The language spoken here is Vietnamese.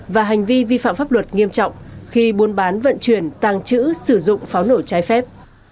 và hành vi vi phạm pháp luật nghiêm trọng khi buôn bán vận chuyển tàng trữ sử dụng pháo nổ trái phép